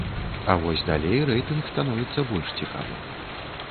А вось далей рэйтынг становіцца больш цікавым.